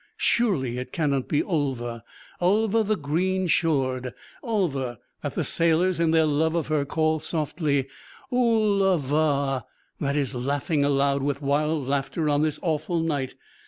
Surely it cannot be Ulva Ulva the green shored Ulva that the sailors, in their love of her, call softly Ool a va that is laughing aloud with wild laughter on this awful night?